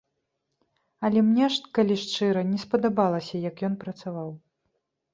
Але мне, калі шчыра, не спадабалася, як ён працаваў.